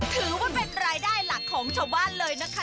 ถือว่าเป็นรายได้หลักของชาวบ้านเลยนะคะ